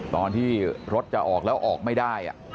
ตอนที่รถจะออกแล้วออกไม่ได้